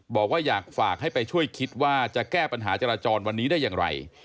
บอกว่าอยากฝากให้ไปช่วยคิดว่าจะแก้ปัญหาจราจรวันนี้ได้อย่างไร